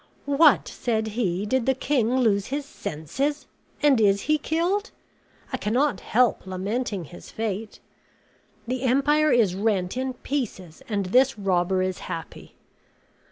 "What," said he, "did the king lose his senses? and is he killed? I cannot help lamenting his fate. The empire is rent in pieces; and this robber is happy.